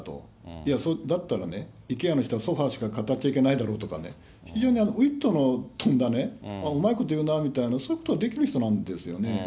いや、だったらイケアの人はソファしか語っちゃいけないだろとか、非常にウィットにとんだうまいこと言うなみたいな、そういうことをできる人なんですよね。